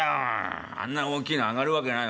あんな大きいの揚がるわけないよ。